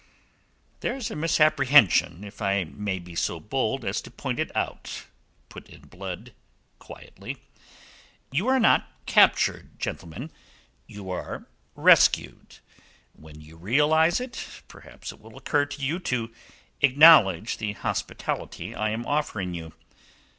"There's a misapprehension, if I may make so bold as to point it out," put in Blood quietly. "You are not captured, gentlemen; you are rescued. When you realize it, perhaps it will occur to you to acknowledge the hospitality I am offering you.